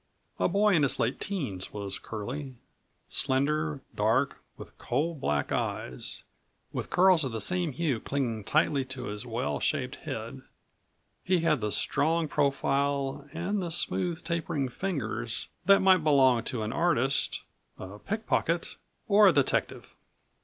A boy in his late teens was Curlie. Slender, dark, with coal black eyes, with curls of the same hue clinging tightly to his well shaped head, he had the strong profile and the smooth tapering fingers that might belong to an artist, a pickpocket or a detective.